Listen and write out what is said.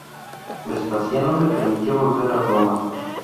Vespasiano le permitió volver a Roma.